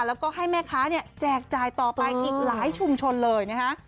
แล้วก็ให้แม่ค้าเนี่ยแจกจ่ายต่อไปอีกหลายชุมชนเลยนะฮะ